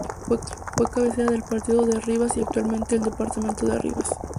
Fue cabecera del partido de Rivas y actualmente del Departamento de Rivas.